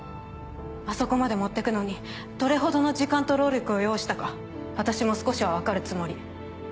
あそこまで持ってくのにどれほどの時間と労力を要したか私も少しは分かるつもり。